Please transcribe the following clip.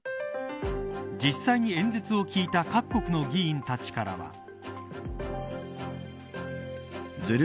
実際に演説を聞いた各国の議員たちからは。